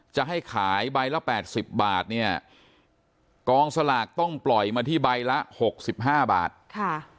จะให้ขายใบละ๘๐บาทเนี่ยกองสลากต้องปล่อยมาที่ใบละ๖๕บาท